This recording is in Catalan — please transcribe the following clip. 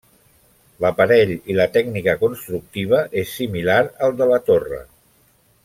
L'aparell i la tècnica constructiva és similar al de la torre.